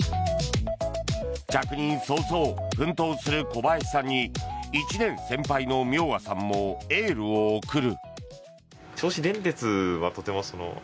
着任早々、奮闘する古林さんに１年先輩の明賀さんもエールを送る。